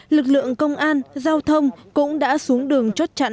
lực lượng công an giao thông cũng đã xuống đường chốt chặn